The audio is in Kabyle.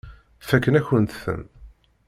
Fakken-akent-ten.